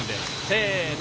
せの。